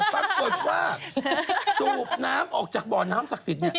ปรากฏว่าสูบน้ำออกจากบ่อน้ำศักดิ์สิทธิ์